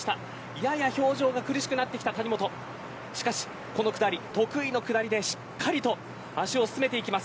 やや表情が苦しくなってきた谷本しかしこの下りは得意な下りでしっかりと足を進めてきます。